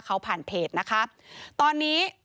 เขาผ่านเพจนะคะตอนนี้